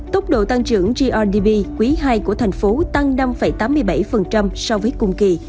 tốc độ tăng trưởng grdp quý ii của tp hcm tăng năm tám mươi bảy so với cùng kỳ